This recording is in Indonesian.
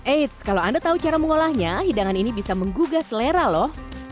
eits kalau anda tahu cara mengolahnya hidangan ini bisa menggugah selera loh